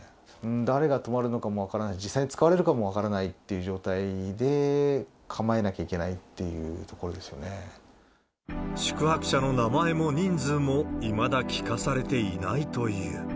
誰が泊まるのかも分からない、実際使われるかも分からないという状態で構えなきゃいけないって宿泊者の名前も人数も、いまだ聞かされていないという。